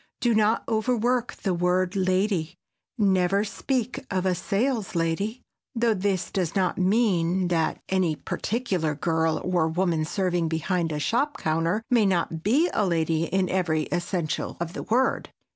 Do not overwork the word "lady,"—never speak of a "saleslady," though this does not mean that any particular girl or woman serving behind a shop counter may not be a lady in every essential of the word.